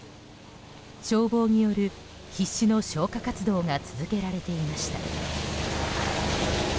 消防による必死の消火活動が続けられていました。